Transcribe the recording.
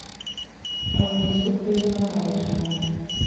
Abayobozi b’uturere bahawe ijambo